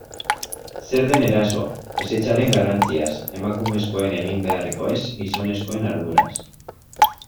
Zer den eraso, ezetzaren garrantziaz, emakumezkoen egin beharrekoez, gizonezkoen arduraz...